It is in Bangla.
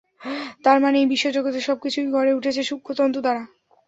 তার মানে, এই বিশ্বজগতের সবকিছুই গড়ে উঠেছে সূক্ষ্ম তন্তু দ্বারা।